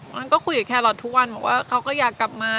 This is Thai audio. เท่านี้ก็ยังถือว่าเบา